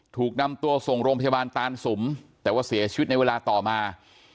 ถูกนำตัวส่งโรงพยาบาลตานสุมแต่ว่าเสียชีวิตในเวลาต่อมา